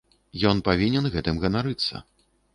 Ён павінен гэтым ганарыцца.